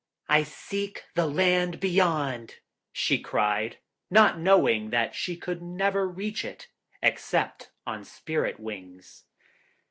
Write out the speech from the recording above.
'I seek the land Beyond,' she cried, not knowing that she could never reach it except on spirit wings.